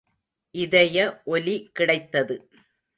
இதய ஒலி கிடைத்தது!